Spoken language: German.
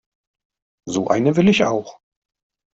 So eine will ich auch.